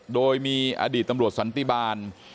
โดยมีอดีตตำรวจสันติบาล